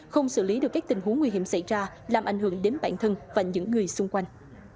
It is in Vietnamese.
không xử lý được các tình huống nguy hiểm xảy ra làm ảnh hưởng đến bản thân và những người xung quanh